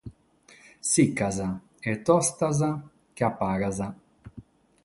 Sicas e tostas che a pagas.